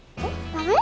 ダメ？